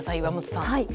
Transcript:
岩本さん。